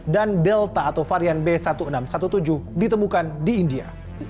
dan delta atau varian b satu enam satu tujuh ditemukan di india